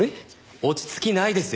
落ち着きないですよ。